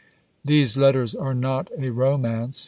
These letters are not a romance.